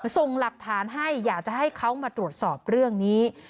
ส่งหลักฐานให้อยากจะให้เขามาตรวจสอบเรื่องนี้